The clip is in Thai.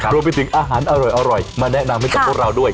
รวมไปถึงอาหารอร่อยมาแนะนำให้กับพวกเราด้วย